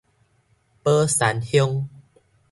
寶山鄉